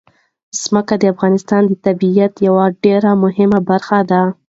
ځمکه د افغانستان د طبیعت یوه ډېره مهمه برخه ده.